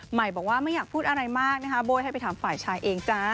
ใหม่บอกว่าไม่อยากพูดอะไรมากนะคะโบ้ยให้ไปถามฝ่ายชายเองจ้า